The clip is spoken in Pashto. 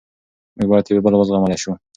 موږ باید یو بل و زغملی سو.